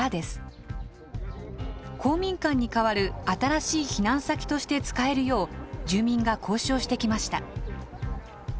公民館に代わる新しい避難先として使えるよう住民が交渉してきました。